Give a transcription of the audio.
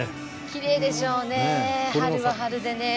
きれいでしょうね春は春でねこれ。